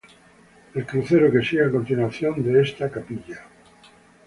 El crucero sigue a continuación de esta capilla.